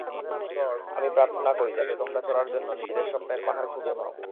আমি প্রার্থনা করি, যাতে তোমরা চড়ার জন্য নিজেদের স্বপ্নের পাহাড় খুঁজে পাও।